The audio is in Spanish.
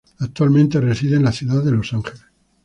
Actualmente reside en la ciudad de Los Angeles.